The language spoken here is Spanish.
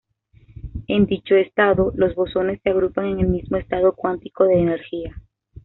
En dicho estado, los bosones se agrupan en el mismo estado cuántico de energía.